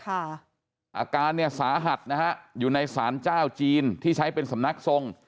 อาการเนี่ยสาหัสนะฮะอยู่ในสารเจ้าจีนที่ใช้เป็นสำนักทรง